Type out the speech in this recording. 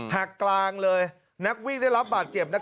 กลางเลยนักวิ่งได้รับบาดเจ็บ